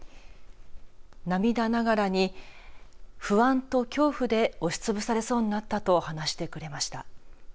涙ながらに不安と恐怖で押しつぶされそうになったと話してくれました。